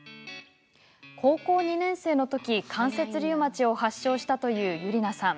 高校２年生のとき関節リウマチを発症したというＹｕｒｉｎａさん。